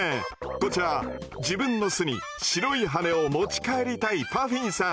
こちら自分の巣に白い羽根を持ち帰りたいパフィンさん。